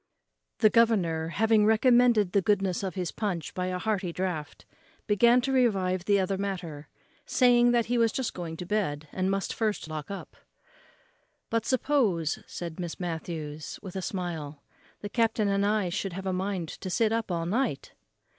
The governor, having recommended the goodness of his punch by a hearty draught, began to revive the other matter, saying that he was just going to bed, and must first lock up. "But suppose," said Miss Matthews, with a smile, "the captain and I should have a mind to sit up all night."